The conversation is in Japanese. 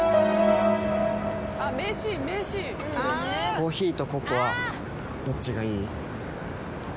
「コーヒーとココアどっちがいい？」